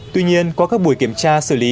tuy nhiên có các buổi kiểm tra xử lý